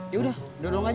yaudah duduk aja